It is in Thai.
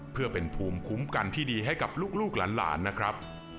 เพื่อเป็นภูมิคุ้มกันที่ดีให้กับลูกหลานนะครับ